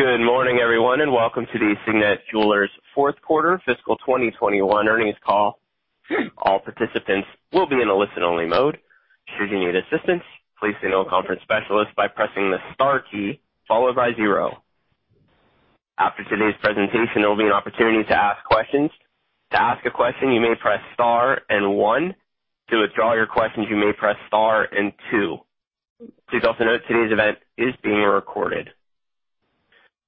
Good morning, everyone, and welcome to the Signet Jewelers fourth quarter fiscal 2021 earnings call. All participants will be in a listen-only mode. Should you need assistance, please signal a conference specialist by pressing the star key, followed by zero. After today's presentation, there'll be an opportunity to ask questions. To ask a question, you may press star and one. To withdraw your question, you may press star and two. Please also note today's event is being recorded.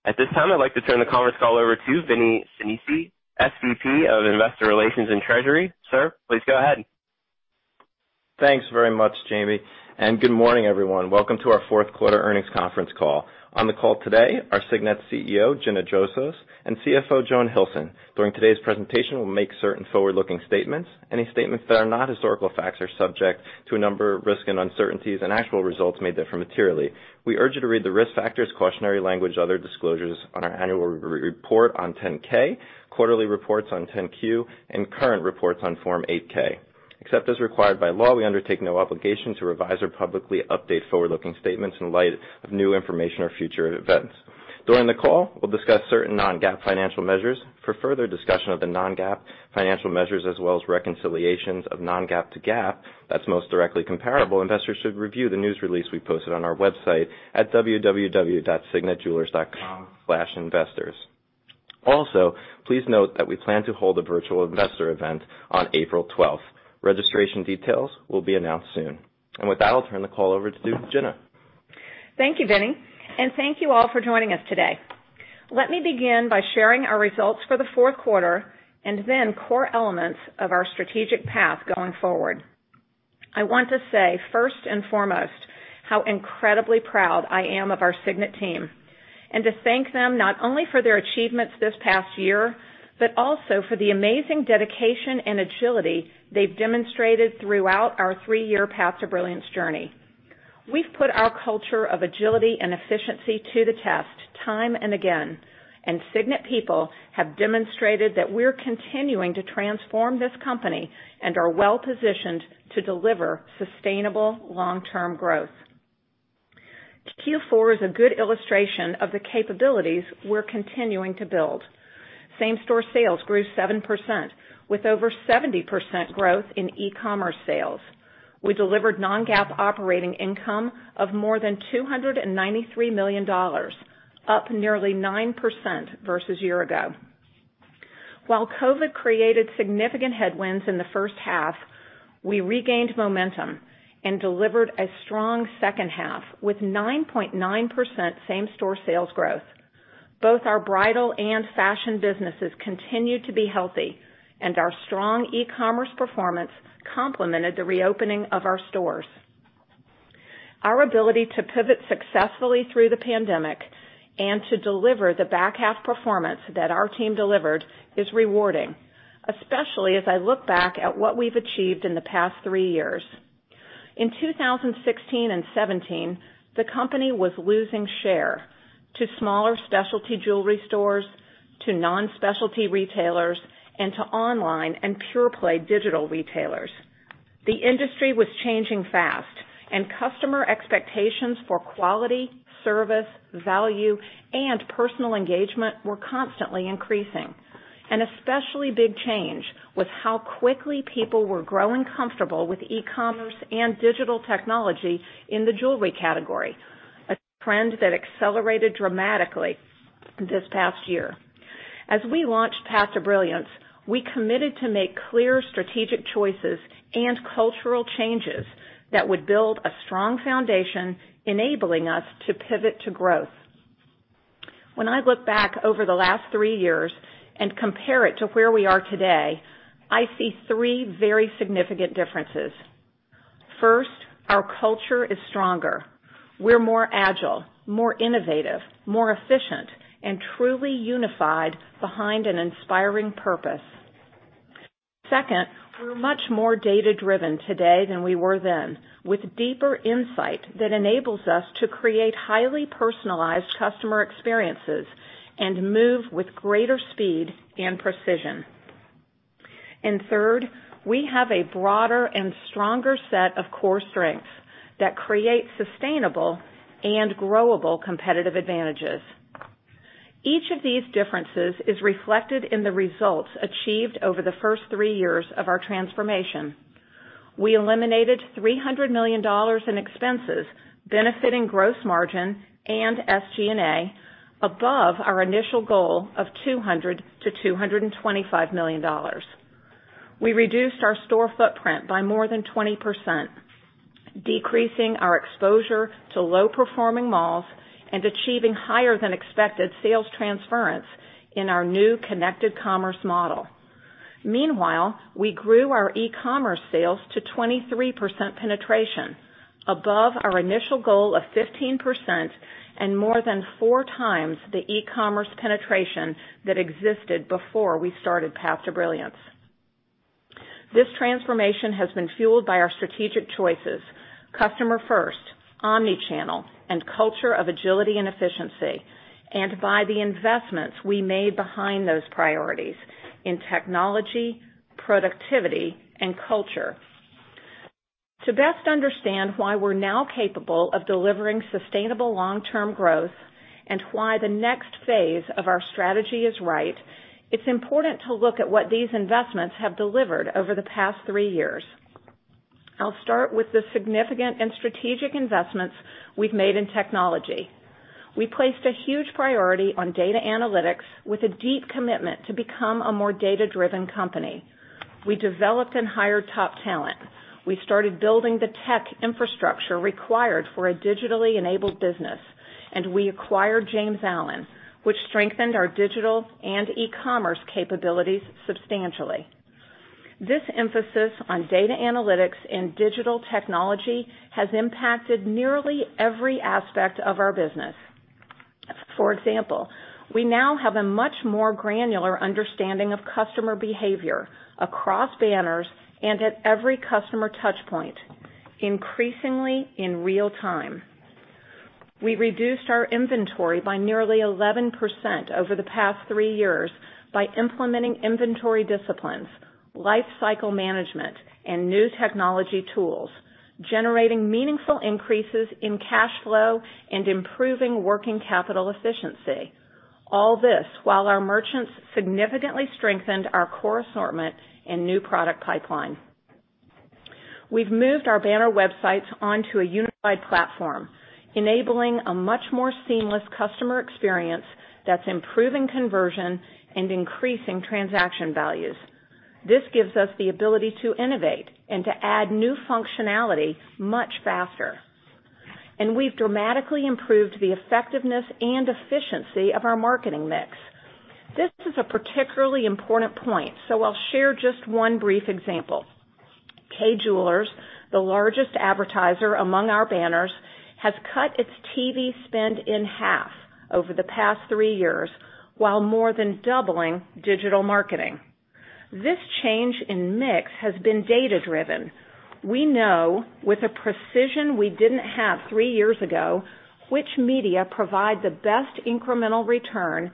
At this time, I'd like to turn the conference call over to Vinnie Sinisi, SVP of Investor Relations and Treasury. Sir, please go ahead. Thanks very much, Jamie, and good morning, everyone. Welcome to our fourth quarter earnings conference call. On the call today are Signet CEO, Gina Drosos, and CFO, Joan Hilson. During today's presentation, we'll make certain forward-looking statements. Any statements that are not historical facts are subject to a number of risks and uncertainties, and actual results may differ materially. We urge you to read the risk factors, cautionary language, other disclosures on our annual report on 10-K, quarterly reports on 10-Q, and current reports on Form 8-K. Except as required by law, we undertake no obligation to revise or publicly update forward-looking statements in light of new information or future events. During the call, we'll discuss certain non-GAAP financial measures. For further discussion of the non-GAAP financial measures, as well as reconciliations of non-GAAP to GAAP that's most directly comparable, investors should review the news release we posted on our website at www.signetjewelers.com/investors. Please note that we plan to hold a virtual investor event on April 12th. Registration details will be announced soon. With that, I'll turn the call over to Gina. Thank you, Vinnie, and thank you all for joining us today. Let me begin by sharing our results for the fourth quarter and then core elements of our strategic path going forward. I want to say first and foremost how incredibly proud I am of our Signet team and to thank them not only for their achievements this past year, but also for the amazing dedication and agility they've demonstrated throughout our three-year Path to Brilliance journey. We've put our culture of agility and efficiency to the test time and again, and Signet people have demonstrated that we're continuing to transform this company and are well-positioned to deliver sustainable long-term growth. Q4 is a good illustration of the capabilities we're continuing to build. Same-store sales grew 7%, with over 70% growth in e-commerce sales. We delivered non-GAAP operating income of more than $293 million, up nearly 9% versus year ago. While COVID created significant headwinds in the first half, we regained momentum and delivered a strong second half with 9.9% same-store sales growth. Both our bridal and fashion businesses continued to be healthy, and our strong e-commerce performance complemented the reopening of our stores. Our ability to pivot successfully through the pandemic and to deliver the back-half performance that our team delivered is rewarding, especially as I look back at what we've achieved in the past three years. In 2016 and 2017, the company was losing share to smaller specialty jewelry stores, to non-specialty retailers, and to online and pure-play digital retailers. The industry was changing fast and customer expectations for quality, service, value, and personal engagement were constantly increasing. An especially big change was how quickly people were growing comfortable with e-commerce and digital technology in the jewelry category, a trend that accelerated dramatically this past year. As we launched Path to Brilliance, we committed to make clear strategic choices and cultural changes that would build a strong foundation enabling us to pivot to growth. When I look back over the last three years and compare it to where we are today, I see three very significant differences. First, our culture is stronger. We're more agile, more innovative, more efficient, and truly unified behind an Inspiring Brilliance purpose. Second, we're much more data-driven today than we were then, with deeper insight that enables us to create highly personalized customer experiences and move with greater speed and precision. Third, we have a broader and stronger set of core strengths that create sustainable and growable competitive advantages. Each of these differences is reflected in the results achieved over the first three years of our transformation. We eliminated $300 million in expenses benefiting gross margin and SG&A above our initial goal of $200 million-$225 million. We reduced our store footprint by more than 20%, decreasing our exposure to low-performing malls and achieving higher than expected sales transference in our new Connected Commerce model. Meanwhile, we grew our e-commerce sales to 23% penetration above our initial goal of 15% and more than four times the e-commerce penetration that existed before we started Path to Brilliance. This transformation has been fueled by our strategic choices, customer first, omni-channel, and culture of agility and efficiency, and by the investments we made behind those priorities in technology, productivity, and culture. To best understand why we're now capable of delivering sustainable long-term growth and why the next phase of our strategy is right, it's important to look at what these investments have delivered over the past three years. I'll start with the significant and strategic investments we've made in technology. We placed a huge priority on data analytics with a deep commitment to become a more data-driven company. We developed and hired top talent. We started building the tech infrastructure required for a digitally enabled business, and we acquired James Allen, which strengthened our digital and e-commerce capabilities substantially. This emphasis on data analytics and digital technology has impacted nearly every aspect of our business. For example, we now have a much more granular understanding of customer behavior across banners and at every customer touch point, increasingly in real time. We reduced our inventory by nearly 11% over the past three years by implementing inventory disciplines, life cycle management, and new technology tools, generating meaningful increases in cash flow and improving working capital efficiency. All this while our merchants significantly strengthened our core assortment and new product pipeline. We've moved our banner websites onto a unified platform, enabling a much more seamless customer experience that's improving conversion and increasing transaction values. This gives us the ability to innovate and to add new functionality much faster. We've dramatically improved the effectiveness and efficiency of our marketing mix. This is a particularly important point, so I'll share just one brief example. Kay Jewelers, the largest advertiser among our banners, has cut its TV spend in half over the past three years, while more than doubling digital marketing. This change in mix has been data-driven. We know with a precision we didn't have three years ago, which media provide the best incremental return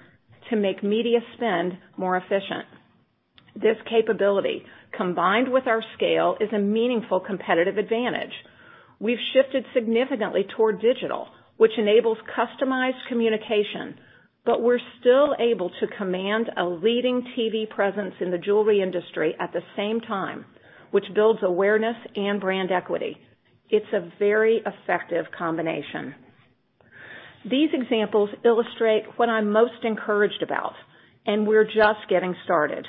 to make media spend more efficient. This capability, combined with our scale, is a meaningful competitive advantage. We've shifted significantly toward digital, which enables customized communication, but we're still able to command a leading TV presence in the jewelry industry at the same time, which builds awareness and brand equity. It's a very effective combination. These examples illustrate what I'm most encouraged about, and we're just getting started.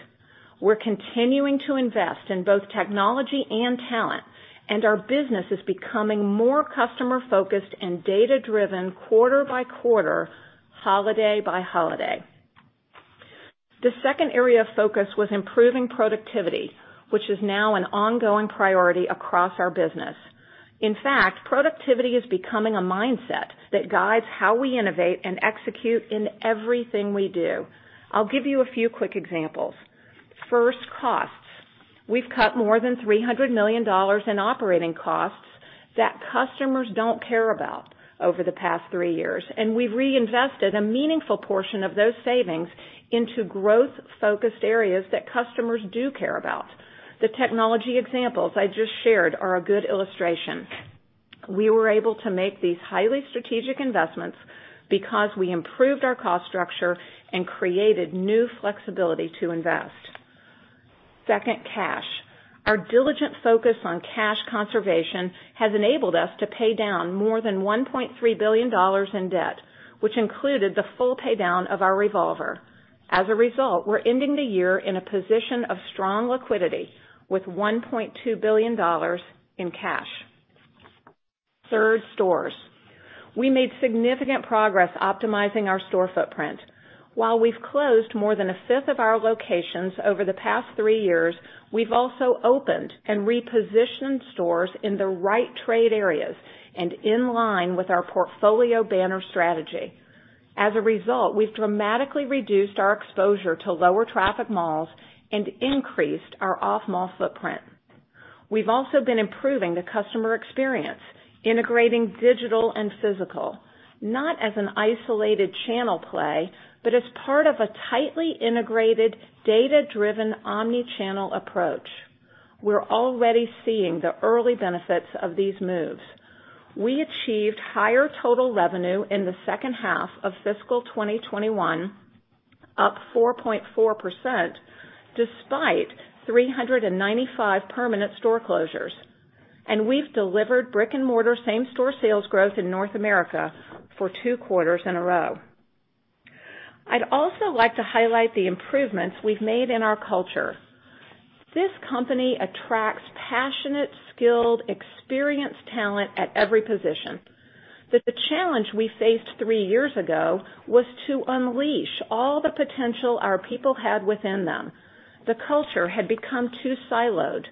We're continuing to invest in both technology and talent, and our business is becoming more customer-focused and data-driven quarter by quarter, holiday by holiday. The second area of focus was improving productivity, which is now an ongoing priority across our business. In fact, productivity is becoming a mindset that guides how we innovate and execute in everything we do. I'll give you a few quick examples. First, costs. We've cut more than $300 million in operating costs that customers don't care about over the past three years, and we've reinvested a meaningful portion of those savings into growth-focused areas that customers do care about. The technology examples I just shared are a good illustration. We were able to make these highly strategic investments because we improved our cost structure and created new flexibility to invest. Second, cash. Our diligent focus on cash conservation has enabled us to pay down more than $1.3 billion in debt, which included the full paydown of our revolver. As a result, we're ending the year in a position of strong liquidity with $1.2 billion in cash. Third, stores. We made significant progress optimizing our store footprint. While we've closed more than a fifth of our locations over the past three years, we've also opened and repositioned stores in the right trade areas and in line with our portfolio banner strategy. As a result, we've dramatically reduced our exposure to lower traffic malls and increased our off-mall footprint. We've also been improving the customer experience, integrating digital and physical, not as an isolated channel play, but as part of a tightly integrated, data-driven, omni-channel approach. We're already seeing the early benefits of these moves. We achieved higher total revenue in the second half of fiscal 2021, up 4.4%, despite 395 permanent store closures. We've delivered brick-and-mortar same-store sales growth in North America for two quarters in a row. I'd also like to highlight the improvements we've made in our culture. This company attracts passionate, skilled, experienced talent at every position. The challenge we faced three years ago was to unleash all the potential our people had within them. The culture had become too siloed,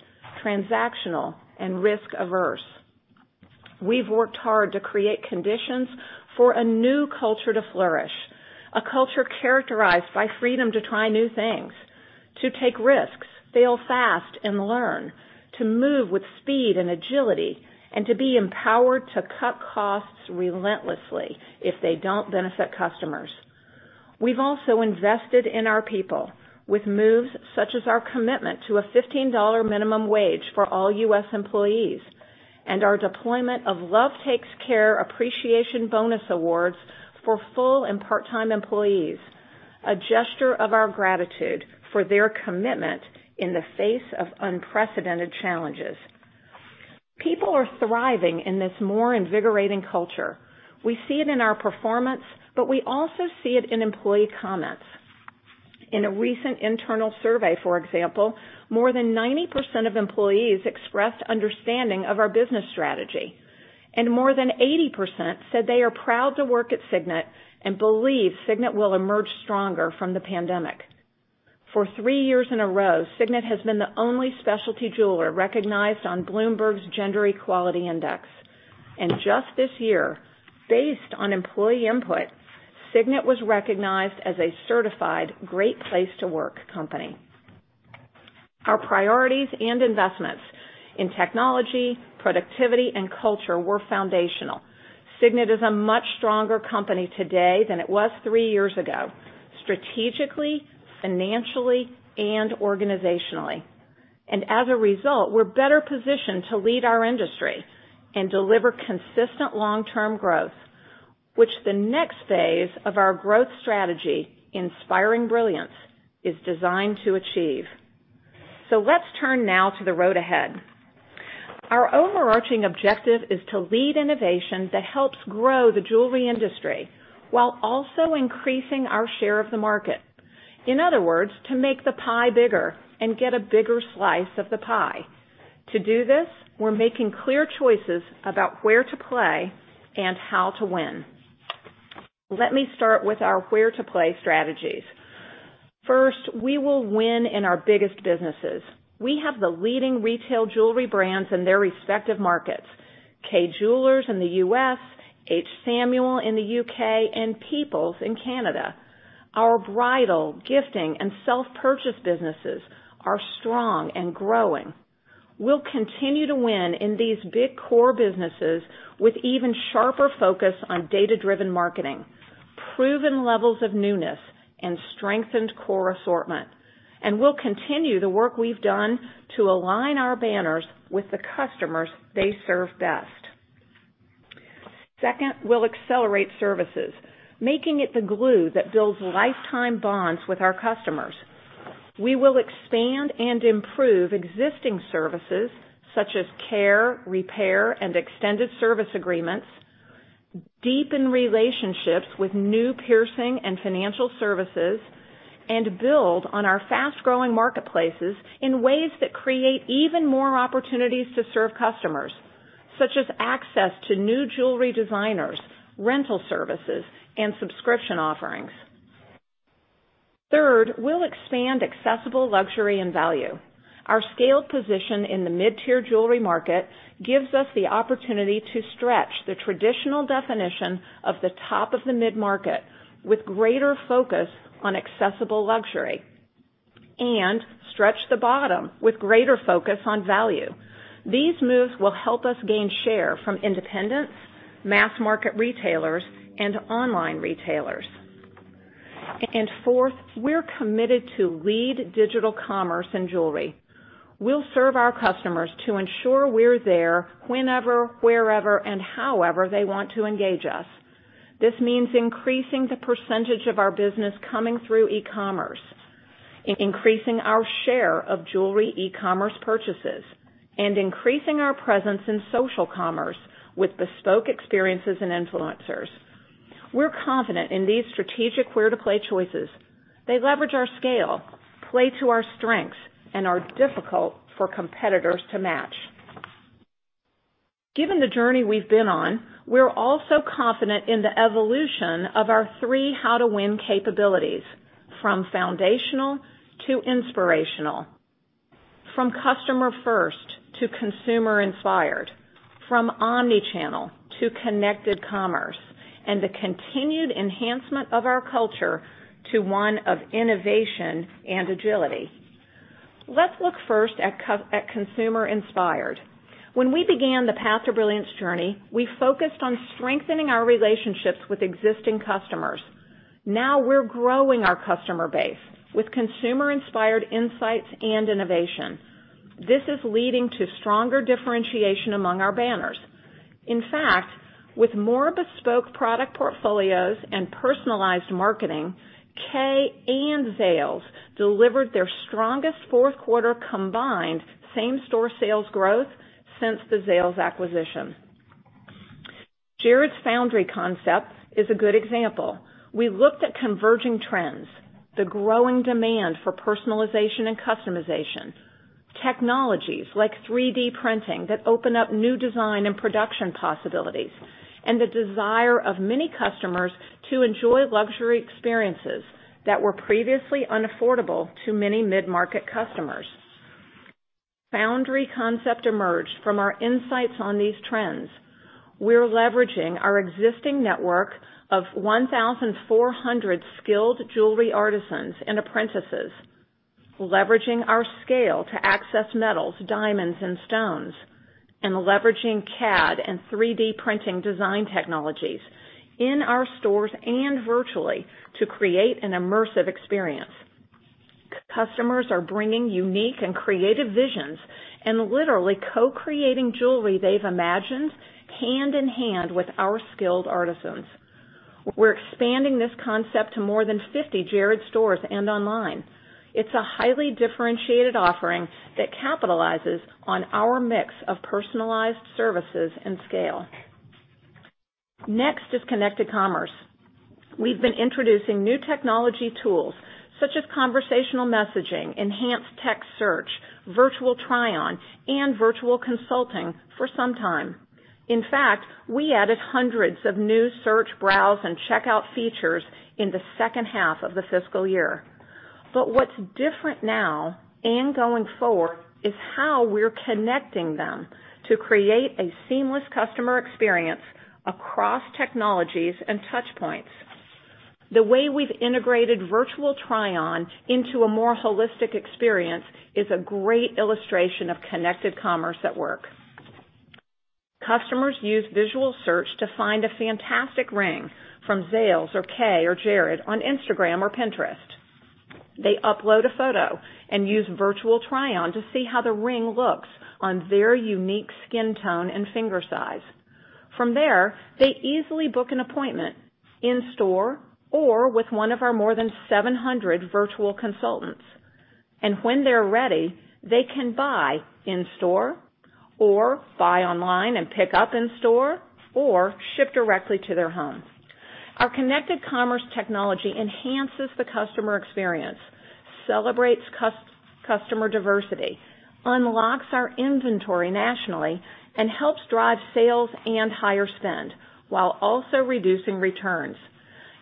transactional, and risk-averse. We've worked hard to create conditions for a new culture to flourish, a culture characterized by freedom to try new things, to take risks, fail fast, and learn, to move with speed and agility, and to be empowered to cut costs relentlessly if they don't benefit customers. We've also invested in our people with moves such as our commitment to a $15 minimum wage for all U.S. employees, and our deployment of Love Takes Care appreciation bonus awards for full and part-time employees. A gesture of our gratitude for their commitment in the face of unprecedented challenges. People are thriving in this more invigorating culture. We see it in our performance, but we also see it in employee comments. In a recent internal survey, for example, more than 90% of employees expressed understanding of our business strategy, and more than 80% said they are proud to work at Signet and believe Signet will emerge stronger from the pandemic. For three years in a row, Signet has been the only specialty jeweler recognized on Bloomberg's Gender Equality Index. Just this year, based on employee input, Signet was recognized as a certified Great Place to Work company. Our priorities and investments in technology, productivity, and culture were foundational. Signet is a much stronger company today than it was three years ago, strategically, financially, and organizationally. As a result, we're better positioned to lead our industry and deliver consistent long-term growth, which the next phase of our growth strategy, Inspiring Brilliance, is designed to achieve. Let's turn now to the road ahead. Our overarching objective is to lead innovation that helps grow the jewelry industry while also increasing our share of the market. In other words, to make the pie bigger and get a bigger slice of the pie. To do this, we're making clear choices about where to play and how to win. Let me start with our where to play strategies. First, we will win in our biggest businesses. We have the leading retail jewelry brands in their respective markets, Kay Jewelers in the U.S., H. Samuel in the U.K., and Peoples in Canada. Our bridal, gifting, and self-purchase businesses are strong and growing. We'll continue to win in these big core businesses with even sharper focus on data-driven marketing, proven levels of newness, and strengthened core assortment. We'll continue the work we've done to align our banners with the customers they serve best. Second, we'll accelerate services, making it the glue that builds lifetime bonds with our customers. We will expand and improve existing services such as care, repair, and extended service agreements, deepen relationships with new piercing and financial services, and build on our fast-growing marketplaces in ways that create even more opportunities to serve customers, such as access to new jewelry designers, rental services, and subscription offerings. Third, we'll expand accessible luxury and value. Our scaled position in the mid-tier jewelry market gives us the opportunity to stretch the traditional definition of the top of the mid-market with greater focus on accessible luxury, and stretch the bottom with greater focus on value. These moves will help us gain share from independents, mass market retailers, and online retailers. Fourth, we're committed to lead digital commerce in jewelry. We'll serve our customers to ensure we're there whenever, wherever, and however they want to engage us. This means increasing the percentage of our business coming through e-commerce, increasing our share of jewelry e-commerce purchases, and increasing our presence in social commerce with bespoke experiences and influencers. We're confident in these strategic where to play choices. They leverage our scale, play to our strengths, and are difficult for competitors to match. Given the journey we've been on, we're also confident in the evolution of our three how to win capabilities, from foundational to inspirational, from customer first to consumer inspired, from omnichannel to Connected Commerce, and the continued enhancement of our culture to one of innovation and agility. Let's look first at consumer inspired. When we began the Path to Brilliance journey, we focused on strengthening our relationships with existing customers. Now we're growing our customer base with consumer-inspired insights and innovation. This is leading to stronger differentiation among our banners. In fact, with more bespoke product portfolios and personalized marketing, Kay and Zales delivered their strongest fourth quarter combined same store sales growth since the Zales acquisition. Jared's Foundry concept is a good example. We looked at converging trends, the growing demand for personalization and customization, technologies like 3D printing that open up new design and production possibilities, and the desire of many customers to enjoy luxury experiences that were previously unaffordable to many mid-market customers. Foundry concept emerged from our insights on these trends. We're leveraging our existing network of 1,400 skilled jewelry artisans and apprentices. Leveraging our scale to access metals, diamonds, and stones, and leveraging CAD and 3D printing design technologies in our stores and virtually to create an immersive experience. Customers are bringing unique and creative visions and literally co-creating jewelry they've imagined hand-in-hand with our skilled artisans. We're expanding this concept to more than 50 Jared stores and online. It's a highly differentiated offering that capitalizes on our mix of personalized services and scale. Next is Connected Commerce. We've been introducing new technology tools such as conversational messaging, enhanced text search, virtual try-on, and virtual consulting for some time. In fact, we added hundreds of new search, browse, and checkout features in the second half of the fiscal year. What's different now and going forward is how we're connecting them to create a seamless customer experience across technologies and touchpoints. The way we've integrated virtual try-on into a more holistic experience is a great illustration of Connected Commerce at work. Customers use visual search to find a fantastic ring from Zales or Kay or Jared on Instagram or Pinterest. They upload a photo and use virtual try-on to see how the ring looks on their unique skin tone and finger size. From there, they easily book an appointment in-store or with one of our more than 700 virtual consultants. When they're ready, they can buy in-store or buy online and pick up in-store or ship directly to their home. Our Connected Commerce technology enhances the customer experience, celebrates customer diversity, unlocks our inventory nationally, and helps drive sales and higher spend while also reducing returns.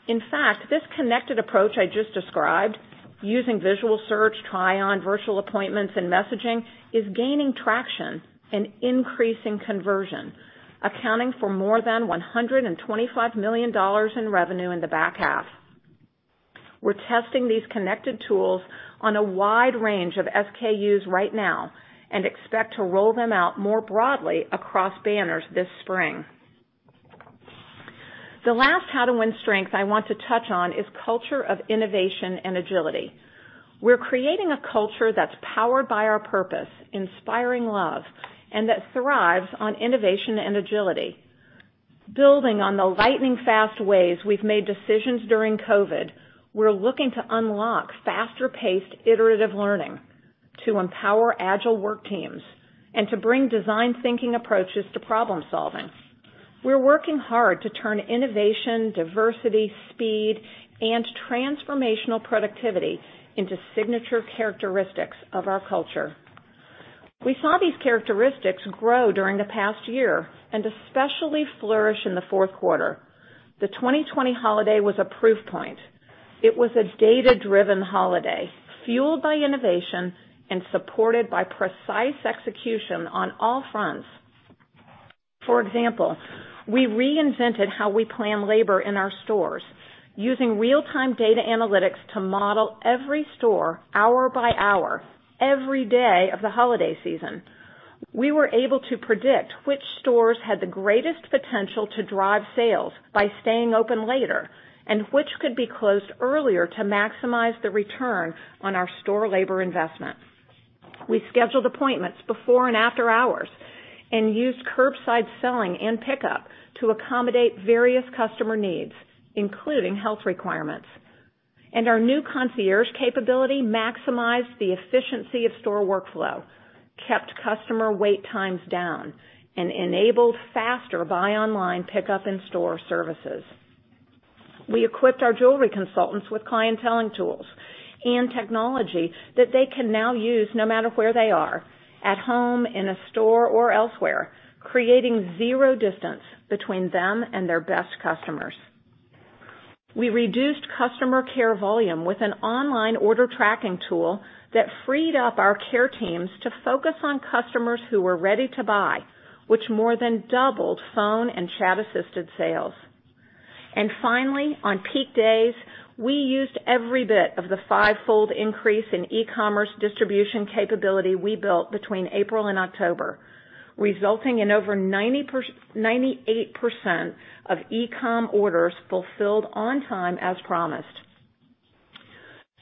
In fact, this connected approach I just described using visual search, try-on, virtual appointments, and messaging is gaining traction and increasing conversion, accounting for more than $125 million in revenue in the back half. We're testing these connected tools on a wide range of SKUs right now and expect to roll them out more broadly across banners this spring. The last how to win strength I want to touch on is culture of innovation and agility. We're creating a culture that's powered by our purpose, inspiring love, and that thrives on innovation and agility. Building on the lightning-fast ways we've made decisions during COVID, we're looking to unlock faster-paced iterative learning to empower agile work teams and to bring design thinking approaches to problem-solving. We're working hard to turn innovation, diversity, speed, and transformational productivity into signature characteristics of our culture. We saw these characteristics grow during the past year and especially flourish in the fourth quarter. The 2020 holiday was a proof point. It was a data-driven holiday fueled by innovation and supported by precise execution on all fronts. For example, we reinvented how we plan labor in our stores using real-time data analytics to model every store hour by hour every day of the holiday season. We were able to predict which stores had the greatest potential to drive sales by staying open later, and which could be closed earlier to maximize the return on our store labor investment. We scheduled appointments before and after hours and used curbside selling and pickup to accommodate various customer needs, including health requirements. Our new concierge capability maximized the efficiency of store workflow, kept customer wait times down, and enabled faster buy online pickup in store services. We equipped our jewelry consultants with clienteling tools and technology that they can now use no matter where they are, at home, in a store, or elsewhere, creating zero distance between them and their best customers. We reduced customer care volume with an online order tracking tool that freed up our care teams to focus on customers who were ready to buy, which more than doubled phone and chat-assisted sales. Finally, on peak days, we used every bit of the fivefold increase in e-commerce distribution capability we built between April and October, resulting in over 98% of e-com orders fulfilled on time as promised.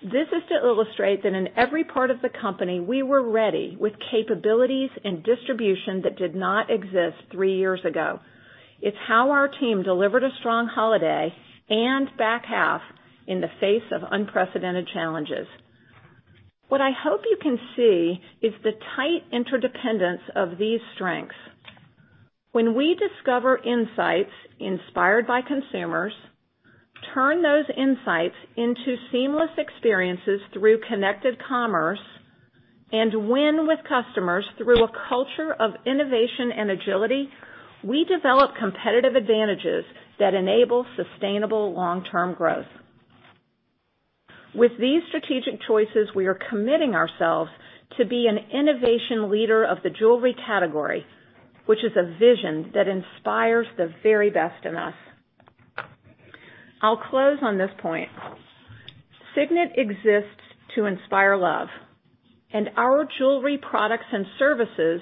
This is to illustrate that in every part of the company, we were ready with capabilities and distribution that did not exist three years ago. It's how our team delivered a strong holiday and back half in the face of unprecedented challenges. What I hope you can see is the tight interdependence of these strengths. When we discover insights inspired by consumers, turn those insights into seamless experiences through Connected Commerce, and win with customers through a culture of innovation and agility, we develop competitive advantages that enable sustainable long-term growth. With these strategic choices, we are committing ourselves to be an innovation leader of the jewelry category, which is a vision that inspires the very best in us. I'll close on this point. Signet exists to inspire love, and our jewelry products and services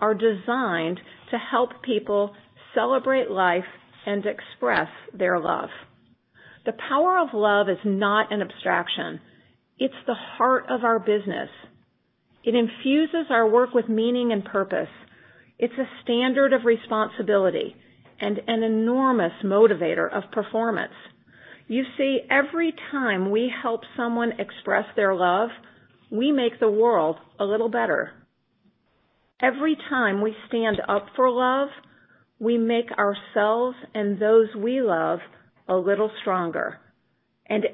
are designed to help people celebrate life and express their love. The power of love is not an abstraction. It's the heart of our business. It infuses our work with meaning and purpose. It's a standard of responsibility and an enormous motivator of performance. You see, every time we help someone express their love, we make the world a little better. Every time we stand up for love, we make ourselves and those we love a little stronger.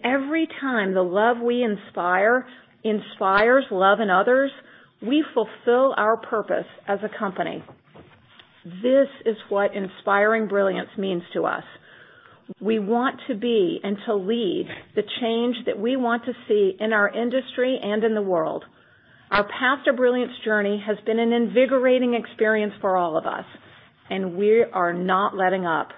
Every time the love we inspire inspires love in others, we fulfill our purpose as a company. This is what Inspiring Brilliance means to us. We want to be and to lead the change that we want to see in our industry and in the world. Our Path to Brilliance journey has been an invigorating experience for all of us, and we are not letting up.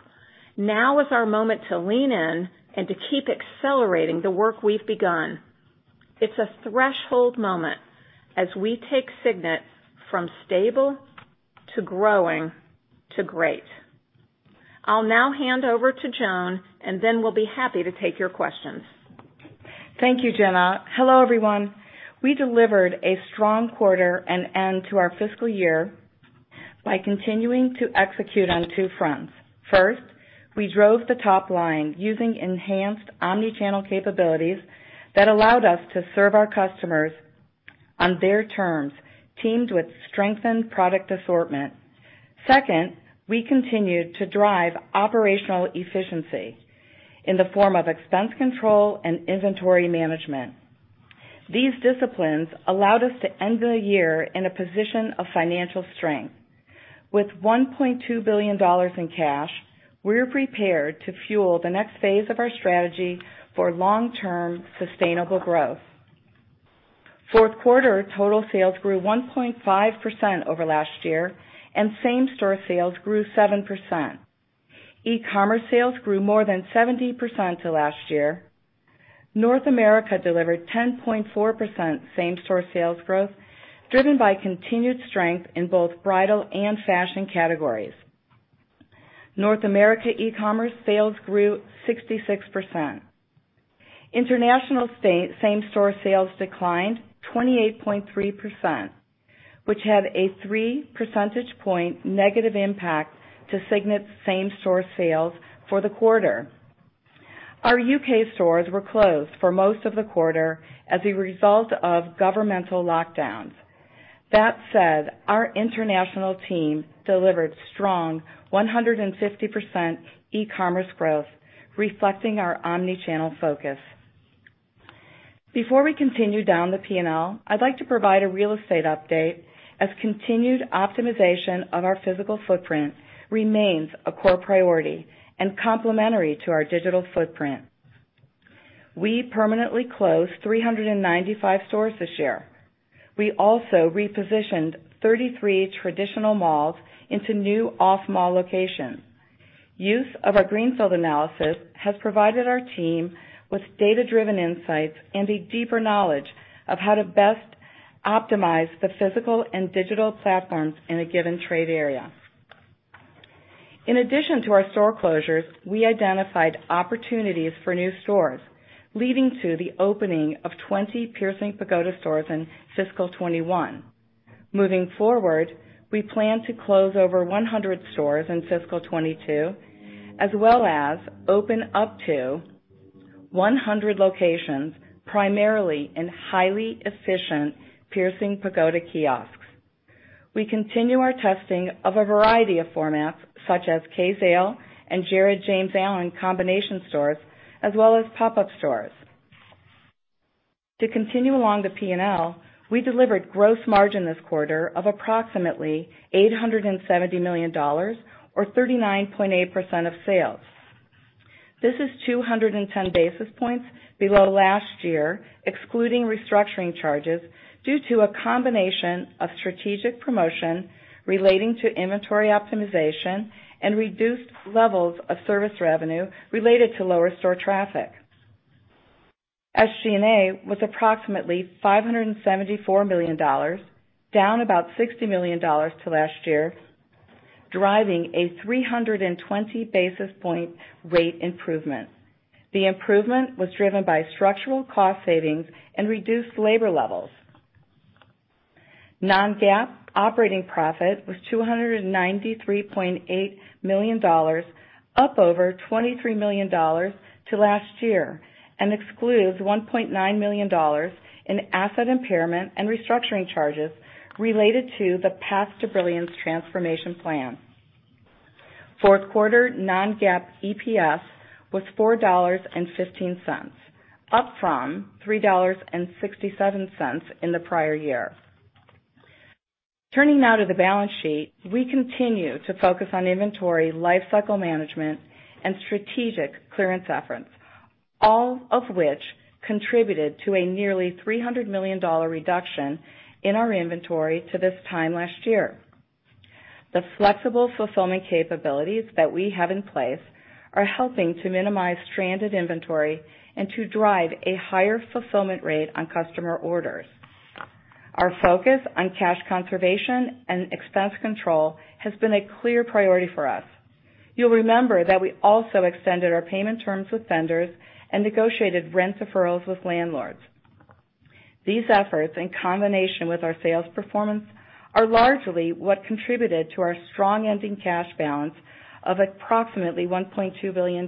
Now is our moment to lean in and to keep accelerating the work we've begun. It's a threshold moment as we take Signet from stable to growing to great. I'll now hand over to Joan, and then we'll be happy to take your questions. Thank you, Gina. Hello, everyone. We delivered a strong quarter and end to our fiscal year by continuing to execute on two fronts. First, we drove the top line using enhanced omni-channel capabilities that allowed us to serve our customers on their terms, teamed with strengthened product assortment. Second, we continued to drive operational efficiency in the form of expense control and inventory management. These disciplines allowed us to end the year in a position of financial strength. With $1.2 billion in cash, we're prepared to fuel the next phase of our strategy for long-term sustainable growth. Fourth quarter total sales grew 1.5% over last year. Same-store sales grew 7%. E-commerce sales grew more than 70% to last year. North America delivered 10.4% same-store sales growth, driven by continued strength in both bridal and fashion categories. North America e-commerce sales grew 66%. International same-store sales declined 28.3%, which had a three percentage point negative impact to Signet same-store sales for the quarter. Our U.K. stores were closed for most of the quarter as a result of governmental lockdowns. That said, our international team delivered strong 150% e-commerce growth, reflecting our omni-channel focus. Before we continue down the P&L, I'd like to provide a real estate update as continued optimization of our physical footprint remains a core priority and complementary to our digital footprint. We permanently closed 395 stores this year. We also repositioned 33 traditional malls into new off-mall locations. Use of our greenfield analysis has provided our team with data-driven insights and a deeper knowledge of how to best optimize the physical and digital platforms in a given trade area. In addition to our store closures, we identified opportunities for new stores, leading to the opening of 20 Piercing Pagoda stores in fiscal 2021. Moving forward, we plan to close over 100 stores in fiscal 2022, as well as open up to 100 locations, primarily in highly efficient Piercing Pagoda kiosks. We continue our testing of a variety of formats, such as Kay/Zales and Jared/James Allen combination stores, as well as pop-up stores. To continue along the P&L, we delivered gross margin this quarter of approximately $870 million, or 39.8% of sales. This is 210 basis points below last year, excluding restructuring charges, due to a combination of strategic promotion relating to inventory optimization and reduced levels of service revenue related to lower store traffic. SG&A was approximately $574 million, down about $60 million to last year, driving a 320 basis point rate improvement. The improvement was driven by structural cost savings and reduced labor levels. non-GAAP operating profit was $293.8 million, up over $23 million to last year, and excludes $1.9 million in asset impairment and restructuring charges related to the Path to Brilliance transformation plan. Fourth quarter non-GAAP EPS was $4.15, up from $3.67 in the prior year. Turning now to the balance sheet. We continue to focus on inventory lifecycle management and strategic clearance efforts, all of which contributed to a nearly $300 million reduction in our inventory to this time last year. The flexible fulfillment capabilities that we have in place are helping to minimize stranded inventory and to drive a higher fulfillment rate on customer orders. Our focus on cash conservation and expense control has been a clear priority for us. You'll remember that we also extended our payment terms with vendors and negotiated rent deferrals with landlords. These efforts, in combination with our sales performance, are largely what contributed to our strong ending cash balance of approximately $1.2 billion.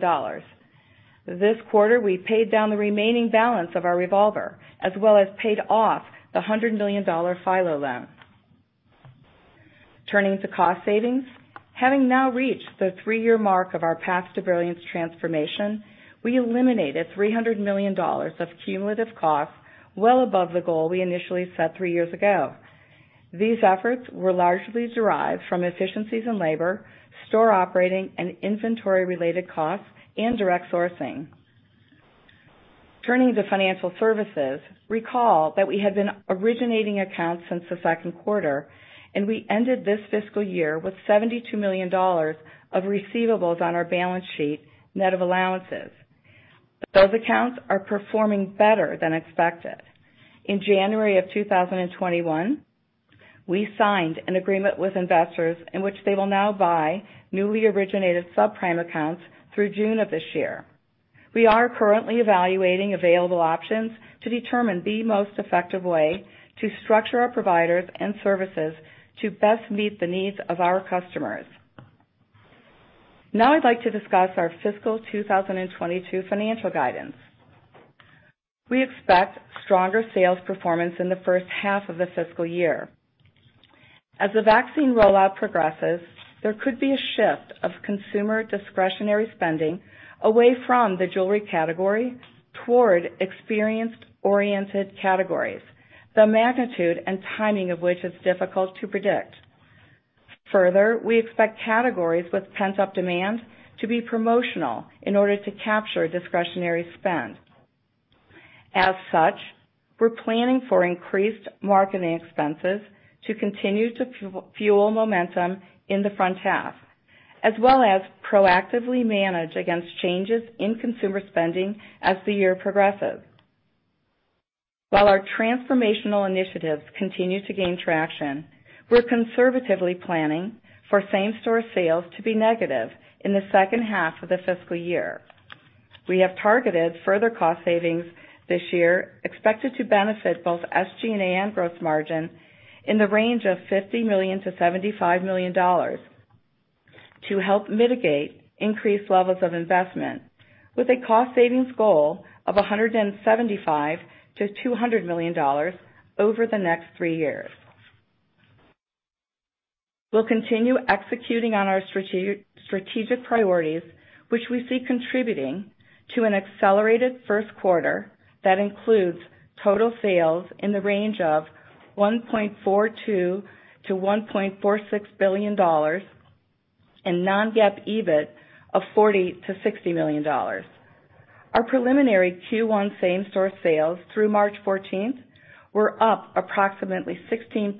This quarter, we paid down the remaining balance of our revolver, as well as paid off the $100 million FILO loan. Turning to cost savings, having now reached the three-year mark of our Path to Brilliance transformation, we eliminated $300 million of cumulative costs well above the goal we initially set three years ago. These efforts were largely derived from efficiencies in labor, store operating, and inventory-related costs, and direct sourcing. Turning to financial services, recall that we have been originating accounts since the second quarter, and we ended this fiscal year with $72 million of receivables on our balance sheet, net of allowances. Those accounts are performing better than expected. In January of 2021, we signed an agreement with investors in which they will now buy newly originated subprime accounts through June of this year. We are currently evaluating available options to determine the most effective way to structure our providers and services to best meet the needs of our customers. Now I'd like to discuss our fiscal 2022 financial guidance. We expect stronger sales performance in the first half of the fiscal year. As the vaccine rollout progresses, there could be a shift of consumer discretionary spending away from the jewelry category toward experienced-oriented categories, the magnitude and timing of which is difficult to predict. Further, we expect categories with pent-up demand to be promotional in order to capture discretionary spend. As such, we're planning for increased marketing expenses to continue to fuel momentum in the front half, as well as proactively manage against changes in consumer spending as the year progresses. While our transformational initiatives continue to gain traction, we're conservatively planning for same-store sales to be negative in the second half of the fiscal year. We have targeted further cost savings this year, expected to benefit both SG&A and gross margin in the range of $50 million-$75 million, to help mitigate increased levels of investment with a cost savings goal of $175 million-$200 million over the next three years. We'll continue executing on our strategic priorities, which we see contributing to an accelerated first quarter. That includes total sales in the range of $1.42 billion-$1.46 billion and non-GAAP EBIT of $40 million-$60 million. Our preliminary Q1 same-store sales through March 14th were up approximately 16%,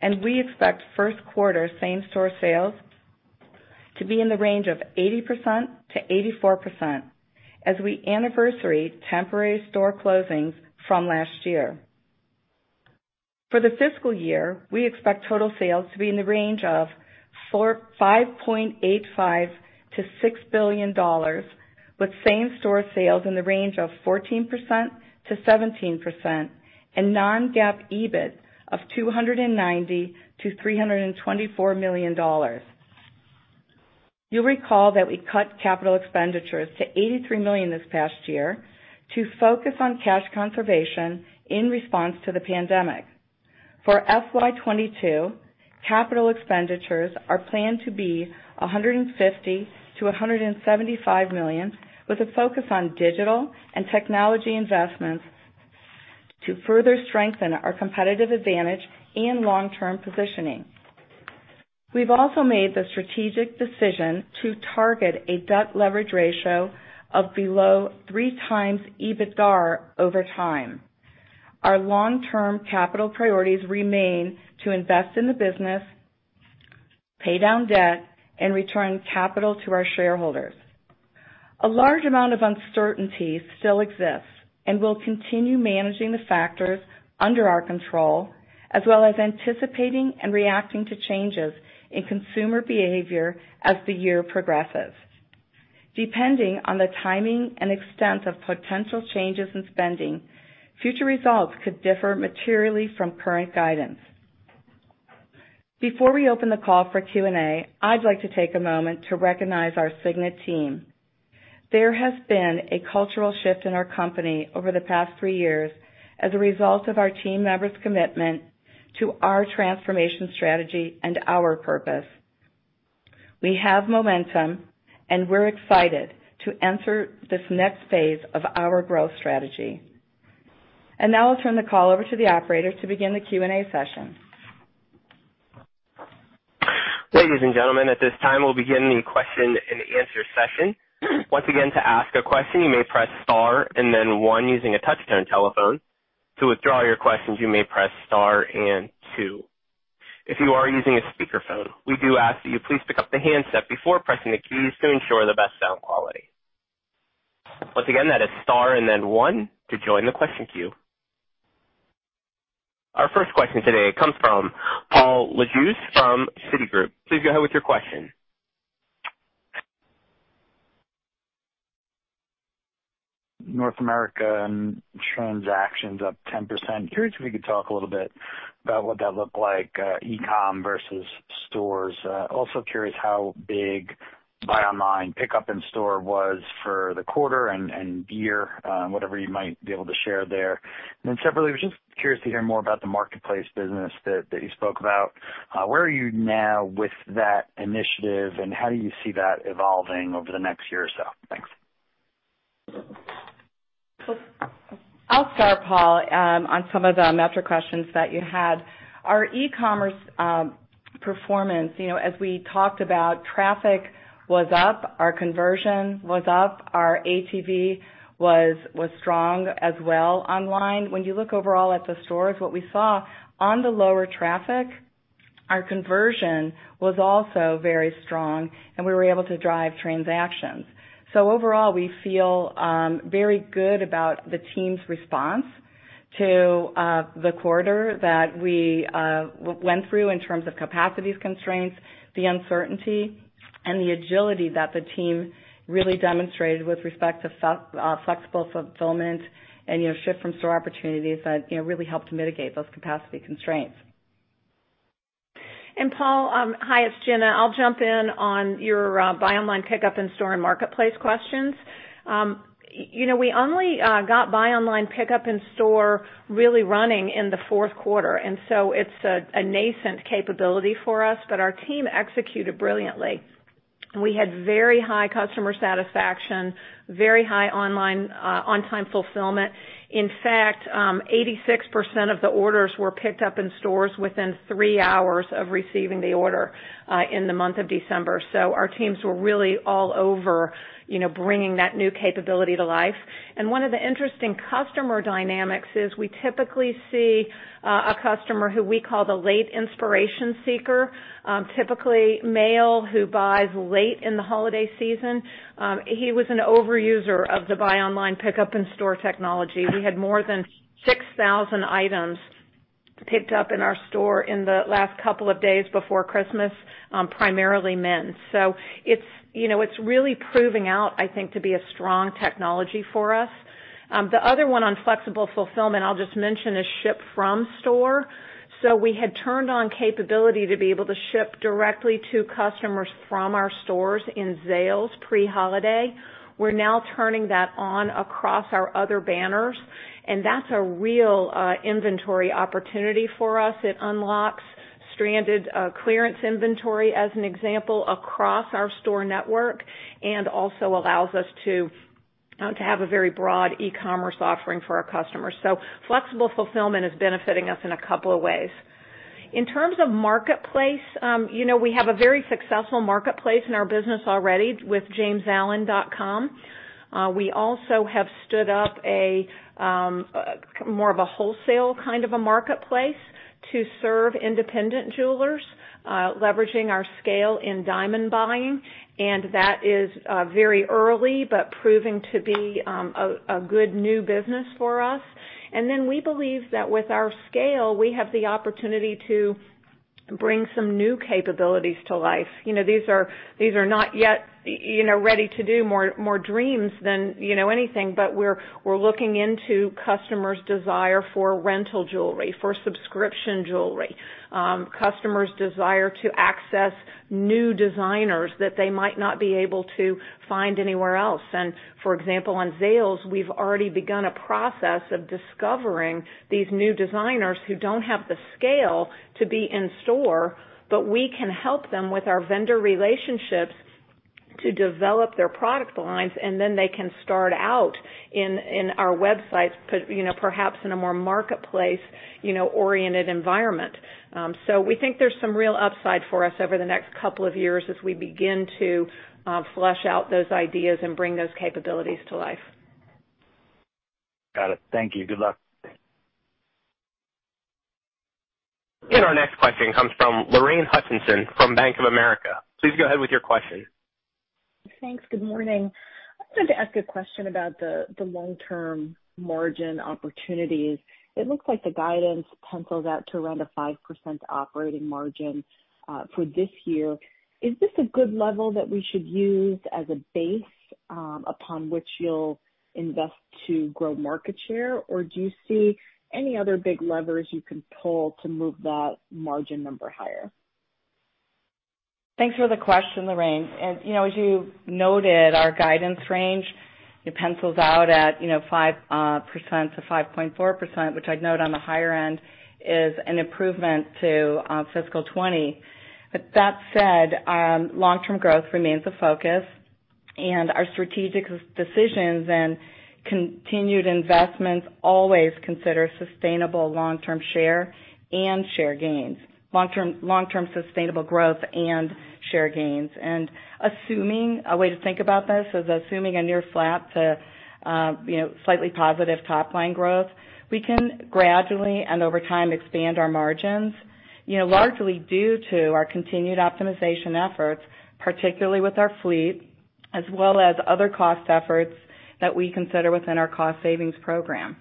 and we expect first quarter same-store sales to be in the range of 80%-84% as we anniversary temporary store closings from last year. For the fiscal year, we expect total sales to be in the range of $5.85 billion-$6 billion, with same-store sales in the range of 14%-17% and non-GAAP EBIT of $290 million-$324 million. You'll recall that we cut capital expenditures to $83 million this past year to focus on cash conservation in response to the pandemic. For FY 2022, capital expenditures are planned to be $150 million-$175 million, with a focus on digital and technology investments to further strengthen our competitive advantage and long-term positioning. We've also made the strategic decision to target a debt leverage ratio of below three times EBITDAR over time. Our long-term capital priorities remain to invest in the business, pay down debt, and return capital to our shareholders. A large amount of uncertainty still exists, and we'll continue managing the factors under our control, as well as anticipating and reacting to changes in consumer behavior as the year progresses. Depending on the timing and extent of potential changes in spending, future results could differ materially from current guidance. Before we open the call for Q&A, I'd like to take a moment to recognize our Signet team. There has been a cultural shift in our company over the past three years as a result of our team members' commitment to our transformation strategy and our purpose. We have momentum, and we're excited to enter this next phase of our growth strategy. Now I'll turn the call over to the operator to begin the Q&A session. Our first question today comes from Paul Lejuez from Citigroup. Please go ahead with your question. North America and transactions up 10%. Curious if we could talk a little bit about what that looked like, e-com versus stores. Also curious how big buy online pickup in store was for the quarter and year, whatever you might be able to share there. Separately, was just curious to hear more about the marketplace business that you spoke about. Where are you now with that initiative, and how do you see that evolving over the next year or so? Thanks. I'll start, Paul, on some of the metric questions that you had. Our e-commerce performance, as we talked about, traffic was up, our conversion was up, our ATV was strong as well online. When you look overall at the stores, what we saw on the lower traffic, our conversion was also very strong, and we were able to drive transactions. Overall, we feel very good about the team's response to the quarter that we went through in terms of capacities constraints, the uncertainty, and the agility that the team really demonstrated with respect to flexible fulfillment and ship from store opportunities that really helped mitigate those capacity constraints. Paul, hi, it's Gina. I'll jump in on your buy online pickup in-store and marketplace questions. We only got buy online pickup in-store really running in the fourth quarter, and so it's a nascent capability for us, but our team executed brilliantly. We had very high customer satisfaction, very high online on-time fulfillment. In fact, 86% of the orders were picked up in stores within three hours of receiving the order in the month of December. Our teams were really all over bringing that new capability to life. One of the interesting customer dynamics is we typically see a customer who we call the late inspiration seeker, typically male, who buys late in the holiday season. He was an overuser of the buy online pickup in-store technology. We had more than 6,000 items picked up in our store in the last couple of days before Christmas, primarily men's. It's really proving out, I think, to be a strong technology for us. The other one on flexible fulfillment, I'll just mention, is ship from store. We had turned on capability to be able to ship directly to customers from our stores in Zales pre-holiday. We're now turning that on across our other banners, and that's a real inventory opportunity for us. It unlocks stranded clearance inventory, as an example, across our store network and also allows us to have a very broad e-commerce offering for our customers. Flexible fulfillment is benefiting us in a couple of ways. In terms of marketplace, we have a very successful marketplace in our business already with jamesallen.com. We also have stood up more of a wholesale kind of a marketplace to serve independent jewelers, leveraging our scale in diamond buying, and that is very early, but proving to be a good new business for us. We believe that with our scale, we have the opportunity to bring some new capabilities to life. These are not yet ready to do, more dreams than anything, but we're looking into customers' desire for rental jewelry, for subscription jewelry. Customers' desire to access new designers that they might not be able to find anywhere else. For example, on Zales, we've already begun a process of discovering these new designers who don't have the scale to be in store, but we can help them with our vendor relationships to develop their product lines, and then they can start out in our websites, perhaps in a more marketplace-oriented environment. We think there's some real upside for us over the next couple of years as we begin to flesh out those ideas and bring those capabilities to life. Got it. Thank you. Good luck. Our next question comes from Lorraine Hutchinson from Bank of America. Please go ahead with your question. Thanks. Good morning. I wanted to ask a question about the long-term margin opportunities. It looks like the guidance pencils out to around a 5% operating margin for this year. Is this a good level that we should use as a base, upon which you'll invest to grow market share, or do you see any other big levers you can pull to move that margin number higher? Thanks for the question, Lorraine. As you noted, our guidance range, it pencils out at 5% to 5.4%, which I'd note on the higher end is an improvement to FY 2020. That said, long-term growth remains a focus. Our strategic decisions and continued investments always consider sustainable long-term share and share gains. Long-term sustainable growth and share gains. A way to think about this is assuming a near flat to slightly positive top-line growth, we can gradually and over time expand our margins, largely due to our continued optimization efforts, particularly with our fleet, as well as other cost efforts that we consider within our cost savings program.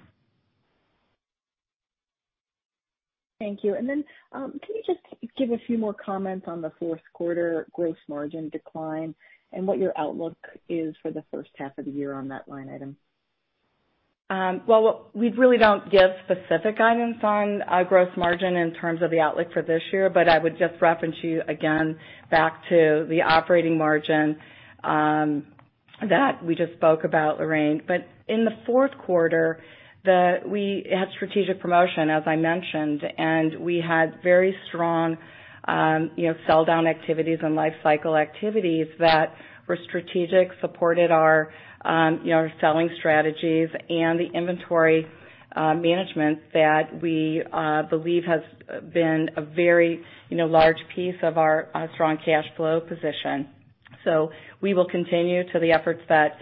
Thank you. Then can you just give a few more comments on the fourth quarter gross margin decline and what your outlook is for the first half of the year on that line item? We really don't give specific guidance on gross margin in terms of the outlook for this year, but I would just reference you again back to the operating margin that we just spoke about, Lorraine. In the fourth quarter, we had strategic promotion, as I mentioned, and we had very strong sell-down activities and life cycle activities that were strategic, supported our selling strategies, and the inventory management that we believe has been a very large piece of our strong cash flow position. We will continue to the efforts that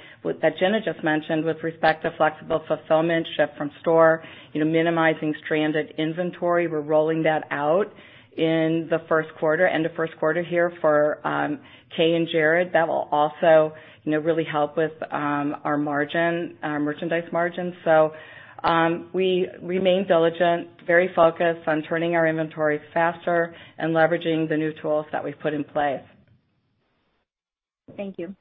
Gina just mentioned with respect to flexible fulfillment, ship from store, minimizing stranded inventory. We're rolling that out in the first quarter, end of first quarter here for Kay and Jared. That will also really help with our merchandise margin. We remain diligent, very focused on turning our inventories faster and leveraging the new tools that we've put in place. Thank you.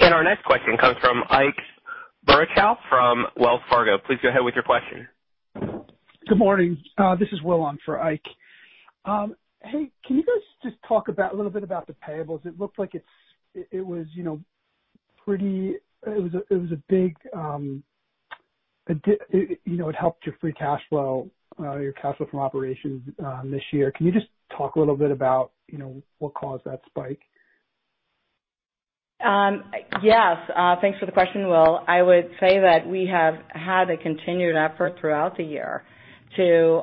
Our next question comes from Ike Boruchow from Wells Fargo. Please go ahead with your question. Good morning. This is Will on for Ike. Hey, can you guys just talk a little bit about the payables? It looked like it helped your free cash flow, your cash flow from operations this year. Can you just talk a little bit about what caused that spike? Yes. Thanks for the question, Will. I would say that we have had a continued effort throughout the year to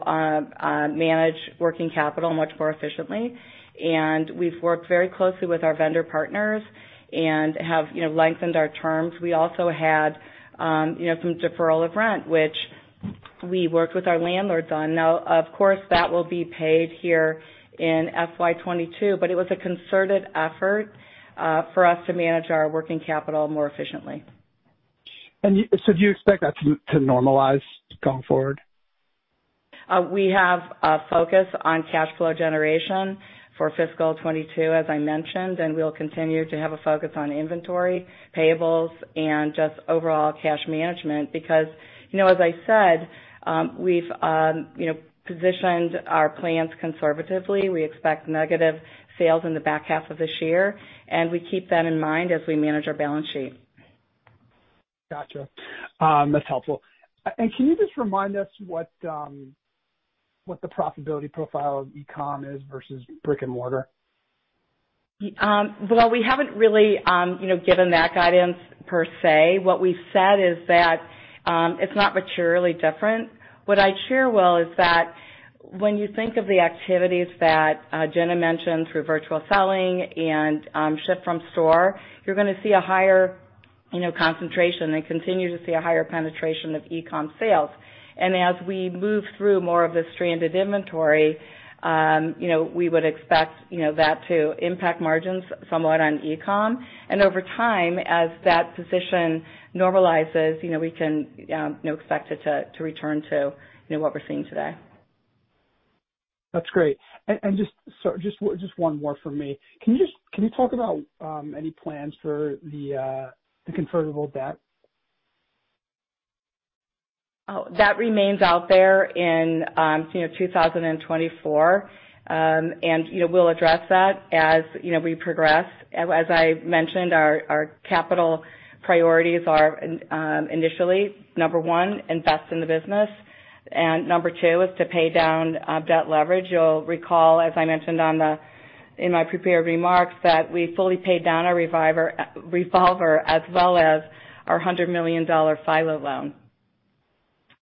manage working capital much more efficiently, and we've worked very closely with our vendor partners and have lengthened our terms. We also had some deferral of rent, which we worked with our landlords on. Now, of course, that will be paid here in FY 2022, but it was a concerted effort for us to manage our working capital more efficiently. Do you expect that to normalize going forward? We have a focus on cash flow generation for fiscal 2022, as I mentioned, and we'll continue to have a focus on inventory, payables, and just overall cash management because, as I said, we've positioned our plans conservatively. We expect negative sales in the back half of this year, and we keep that in mind as we manage our balance sheet. Got you. That's helpful. Can you just remind us what the profitability profile of e-com is versus brick and mortar? Well, we haven't really given that guidance per se. What we've said is that it's not materially different. What I'd share, Will, is that when you think of the activities that Gina mentioned through virtual selling and ship from store, you're going to see a higher concentration and continue to see a higher penetration of e-com sales. As we move through more of the stranded inventory, we would expect that to impact margins somewhat on e-com. Over time, as that position normalizes, we can expect it to return to what we're seeing today. That's great. Just one more from me. Can you talk about any plans for the convertible debt? That remains out there in 2024. We'll address that as we progress. As I mentioned, our capital priorities are initially, number one, invest in the business, and number two is to pay down debt leverage. You'll recall, as I mentioned in my prepared remarks, that we fully paid down our revolver as well as our $100 million FILO loan.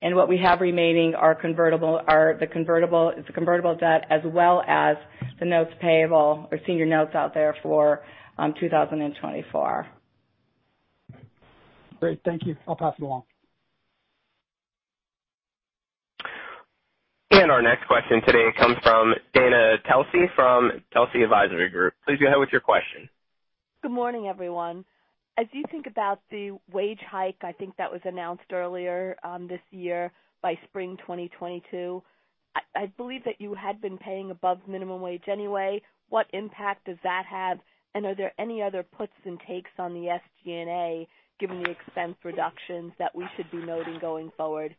What we have remaining is the convertible debt as well as the notes payable or senior notes out there for 2024. Great. Thank you. I'll pass it along. Our next question today comes from Dana Telsey from Telsey Advisory Group. Please go ahead with your question. Good morning, everyone. As you think about the wage hike, I think that was announced earlier this year by spring 2022. I believe that you had been paying above minimum wage anyway. What impact does that have? Are there any other puts and takes on the SG&A given the expense reductions that we should be noting going forward?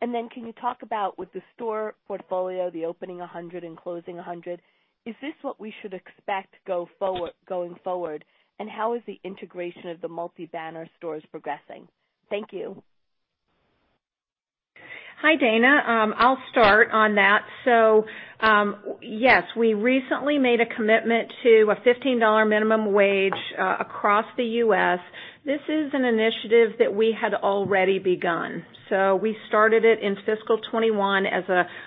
Can you talk about with the store portfolio, the opening 100 and closing 100, is this what we should expect going forward, and how is the integration of the multi-banner stores progressing? Thank you. Hi, Dana. I'll start on that. Yes, we recently made a commitment to a $15 minimum wage across the U.S. This is an initiative that we had already begun. We started it in FY 2021 as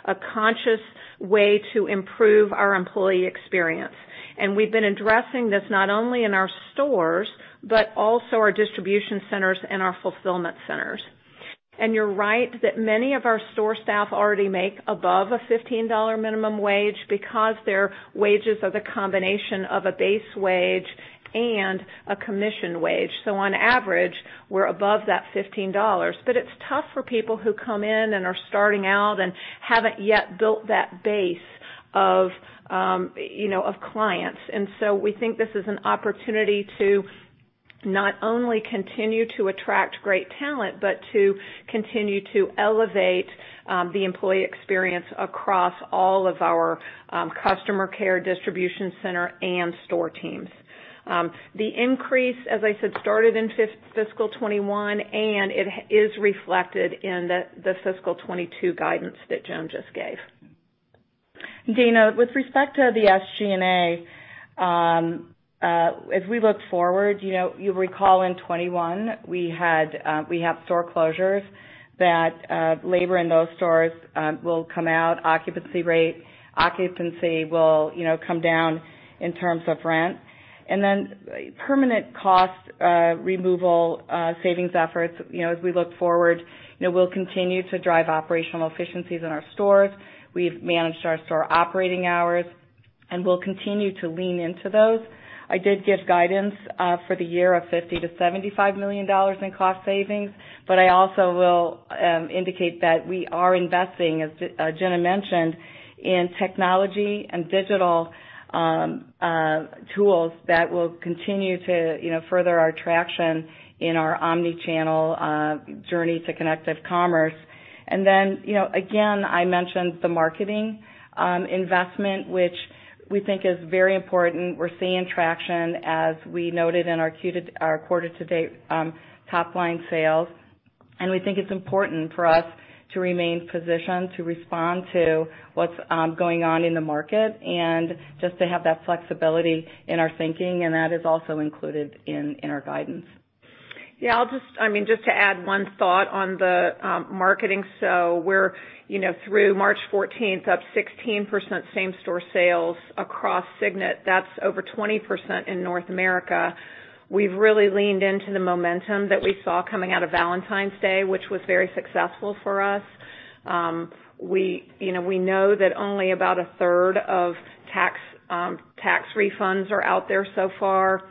a conscious way to improve our employee experience. We've been addressing this not only in our stores, but also our distribution centers and our fulfillment centers. You're right that many of our store staff already make above a $15 minimum wage because their wages are the combination of a base wage and a commission wage. On average, we're above that $15. It's tough for people who come in and are starting out and haven't yet built that base of clients. We think this is an opportunity to not only continue to attract great talent, but to continue to elevate the employee experience across all of our customer care, distribution center, and store teams. The increase, as I said, started in fiscal 2021, and it is reflected in the fiscal 2022 guidance that Joan just gave. Dana, with respect to the SG&A, as we look forward, you will recall in 2021, we have store closures. That labor in those stores will come out. Occupancy will come down in terms of rent. Permanent cost removal savings efforts, as we look forward, we will continue to drive operational efficiencies in our stores. We have managed our store operating hours, and we will continue to lean into those. I did give guidance for the year of $50 million-$75 million in cost savings, but I also will indicate that we are investing, as Gina mentioned, in technology and digital tools that will continue to further our traction in our omni-channel journey to Connected Commerce. Again, I mentioned the marketing investment, which we think is very important. We are seeing traction as we noted in our quarter to date top line sales. We think it's important for us to remain positioned to respond to what's going on in the market and just to have that flexibility in our thinking, and that is also included in our guidance. Just to add one thought on the marketing. Through March 14th, up 16% same store sales across Signet. That's over 20% in North America. We've really leaned into the momentum that we saw coming out of Valentine's Day, which was very successful for us. We know that only about a third of tax refunds are out there so far.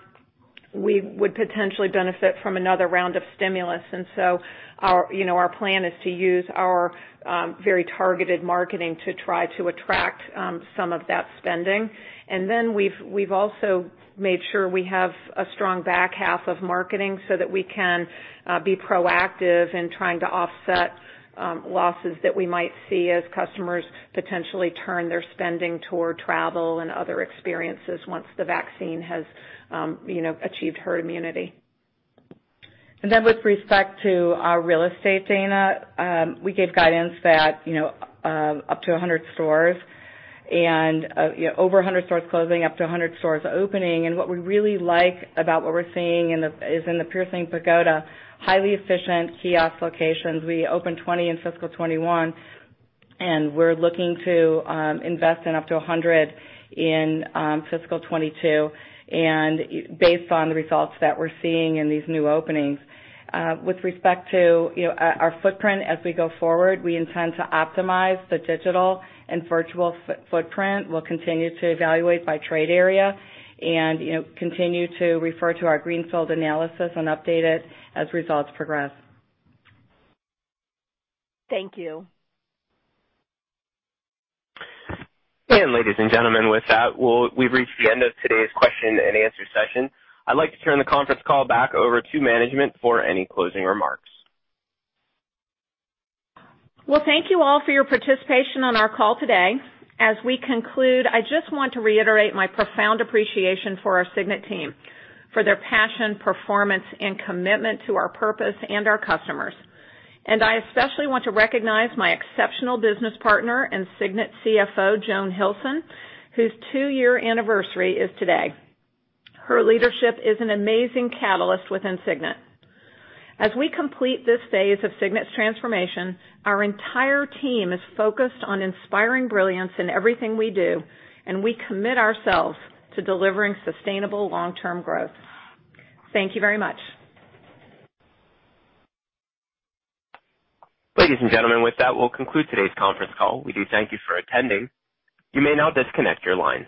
We would potentially benefit from another round of stimulus. Our plan is to use our very targeted marketing to try to attract some of that spending. We've also made sure we have a strong back half of marketing so that we can be proactive in trying to offset losses that we might see as customers potentially turn their spending toward travel and other experiences once the vaccine has achieved herd immunity. Then with respect to our real estate, Dana, we gave guidance that up to 100 stores and over 100 stores closing, up to 100 stores opening. What we really like about what we're seeing is in the Piercing Pagoda, highly efficient kiosk locations. We opened 20 in fiscal 2021, and we're looking to invest in up to 100 in fiscal 2022, and based on the results that we're seeing in these new openings. With respect to our footprint as we go forward, we intend to optimize the digital and virtual footprint. We'll continue to evaluate by trade area and continue to refer to our greenfield analysis and update it as results progress. Thank you. Ladies and gentlemen, with that, we've reached the end of today's question and answer session. I'd like to turn the conference call back over to management for any closing remarks. Well, thank you all for your participation on our call today. As we conclude, I just want to reiterate my profound appreciation for our Signet team, for their passion, performance, and commitment to our purpose and our customers. I especially want to recognize my exceptional business partner and Signet CFO, Joan Hilson, whose two-year anniversary is today. Her leadership is an amazing catalyst within Signet. As we complete this phase of Signet's transformation, our entire team is focused on Inspiring Brilliance in everything we do, and we commit ourselves to delivering sustainable long-term growth. Thank you very much. Ladies and gentlemen, with that, we'll conclude today's conference call. We do thank you for attending. You may now disconnect your lines.